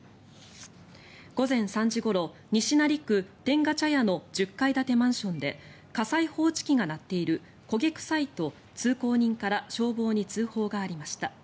午前３時ごろ、西成区天下茶屋の１０階建てマンションで火災報知器が鳴っている焦げ臭いと通行人から消防に通報がありました。